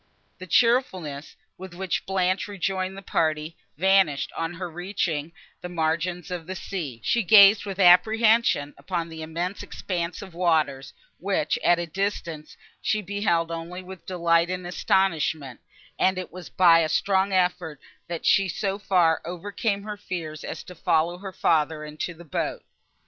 The cheerfulness, with which Blanche rejoined the party, vanished, on her reaching the margin of the sea; she gazed with apprehension upon the immense expanse of waters, which, at a distance, she had beheld only with delight and astonishment, and it was by a strong effort, that she so far overcame her fears as to follow her father into the boat.